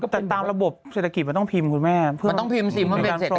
แต่ตามระบบเศรษฐกิจเราต้องพิมพ์ดูแม่ผมต้องพิมพ์ที่ไม่จะ